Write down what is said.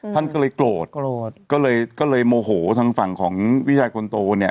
ท่านก็เลยโกรธโกรธก็เลยก็เลยโมโหทางฝั่งของพี่ชายคนโตเนี่ย